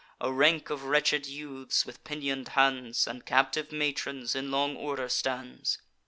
A rank of wretched youths, with pinion'd hands, And captive matrons, in long order stands.